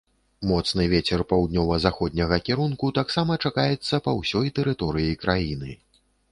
Моцны вецер паўднёва-заходняга кірунку таксама чакаецца па ўсёй тэрыторыі краіны.